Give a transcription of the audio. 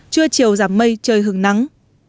trưa chiều giảm mây trời hứng nắng